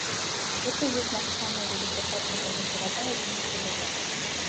Гэта і ёсць наша самая вялікая частка таго пірага, які мы прадаём.